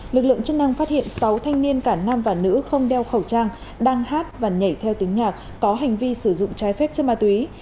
lực lượng chức năng phát hiện sáu thanh niên cả nam và nữ không đeo khẩu trang đang hát và nhảy theo tiếng nhạc có hành vi sử dụng trái phép chất ma túy